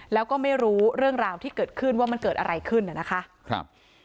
แล้วก็ไม่รู้เรื่องราวที่เกิดขึ้นว่ามันเกิดอะไรขึ้นน่ะนะคะครับ